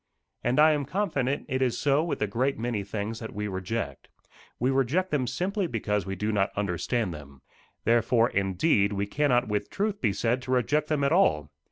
And I am confident it is so with a great many things that we reject. We reject them simply because we do not understand them. Therefore, indeed, we cannot with truth be said to reject them at all.